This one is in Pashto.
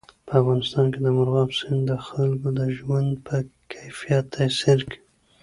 په افغانستان کې مورغاب سیند د خلکو د ژوند په کیفیت تاثیر کوي.